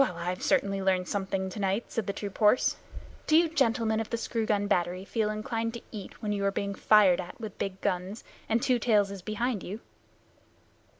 "Well, I've certainly learned something tonight," said the troop horse. "Do you gentlemen of the screw gun battery feel inclined to eat when you are being fired at with big guns, and Two Tails is behind you?"